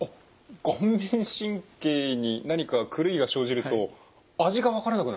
顔面神経に何か狂いが生じると味が分からなくなるんですか。